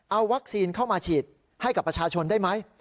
เอาวัคซีนเข้ามาฉีดให้กับประชาชนได้ไหม